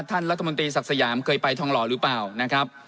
ท่านรัฐมนตรีศักดิ์สยามเคยไปทองหล่อหรือเปล่านะครับ